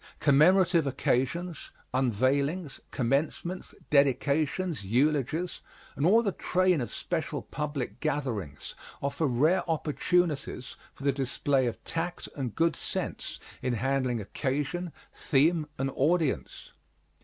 Commemorative occasions, unveilings, commencements, dedications, eulogies, and all the train of special public gatherings, offer rare opportunities for the display of tact and good sense in handling occasion, theme, and audience.